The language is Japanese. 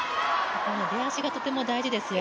出だしがとても大事ですよ。